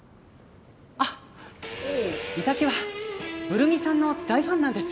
あ美咲はブル美さんの大ファンなんです。